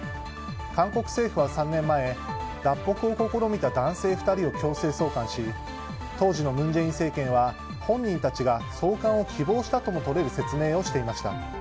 韓国政府は３年前脱北を試みた男性２人を強制送還し当時の文在寅政権は、本人たちが送還を希望したともとれる説明をしていました。